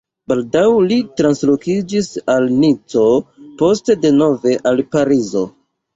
Baldaŭ li translokiĝis al Nico, poste denove al Parizo.